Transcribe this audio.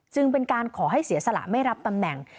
เป็นการขอให้เสียสละไม่รับตำแหน่ง